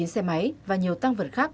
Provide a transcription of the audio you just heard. một mươi chín xe máy và nhiều tăng vật khác